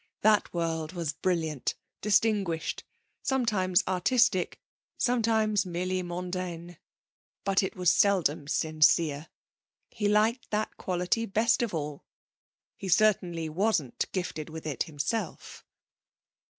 That world was brilliant, distinguished, sometimes artistic, sometimes merely mondain. But it was seldom sincere. He liked that quality best of all. He certainly was gifted with it himself.